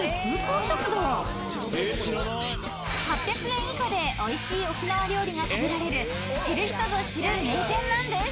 ［８００円以下でおいしい沖縄料理が食べられる知る人ぞ知る名店なんです］